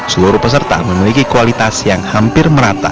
seluruh peserta memiliki kualitas yang hampir merata